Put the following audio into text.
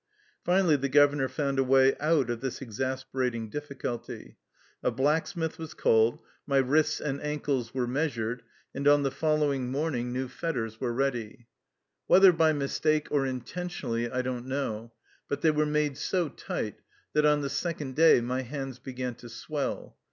Finally the governor found a way out of this exasperating difficulty. A black smith was called, my wrists and ankles were measured, and on the following morning new 166 THE LIFE STOEY OF A EUSSIAN EXILE fetters were ready. Whether by mistake or in tentionally, I don't know, but they were made so tight that on the second day my hands began to swell.